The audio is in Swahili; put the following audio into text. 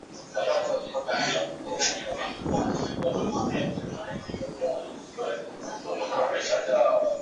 Wafanyabiashara wanadai kuwa uhaba huo ulipelekea kuongezeka kwa bei za bidhaa